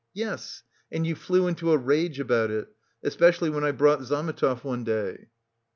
"Yes, and you flew into a rage about it, especially when I brought Zametov one day."